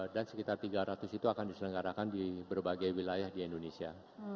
dan sekitar tiga ratus itu akan diselenggarakan di berbagai wilayah di indonesia